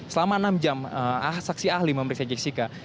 selama enam jam saksi ahli memeriksa jessica